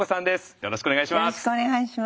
よろしくお願いします。